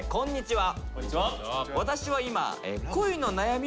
こんにちは。